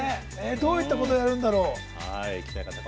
どういったことをやるんだろう。